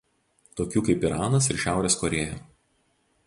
tokių kaip Iranas ir Šiaurės Korėja